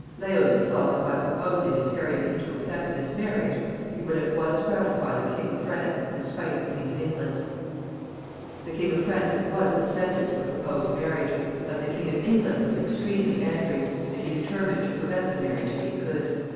Leolin thought that by proposing and carrying into effect this marriage, he would at once gratify the King of France and spite the King of England. The King of France at once assented to the proposed marriage, but the King of England was extremely angry, and he determined to prevent the marriage if he could.